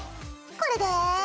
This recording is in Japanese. これで。